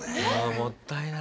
もったいない。